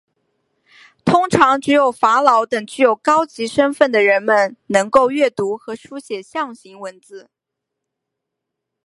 通常只有法老等具有高级身份的人们能够阅读和书写象形文字。